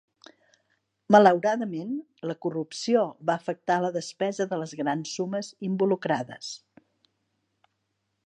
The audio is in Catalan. Malauradament, la corrupció va afectar la despesa de les grans sumes involucrades.